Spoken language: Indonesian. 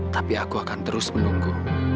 tapi aku akan terus menunggu